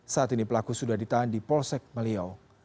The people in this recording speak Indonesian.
saat ini pelaku sudah ditahan di polsek meliau